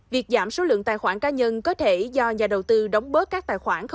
việc giảm số lượng tài khoản cá nhân có thể do nhà đầu tư đóng bớt